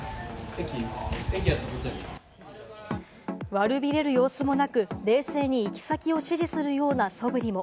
悪びれる様子もなく、冷静に行き先を指示するようなそぶりも。